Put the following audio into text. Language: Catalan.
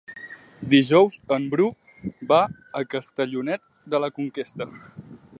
Dijous en Bru va a Castellonet de la Conquesta.